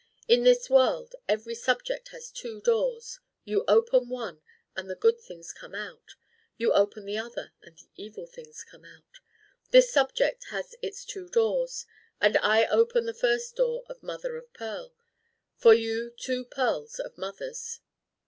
In this world every subject has two doors: you open one, and the good things come out. You open the other, and the evil things come out. This subject has its two doors: and I open first the door of Mother of Pearl for you two pearls of mothers!